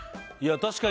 確かに。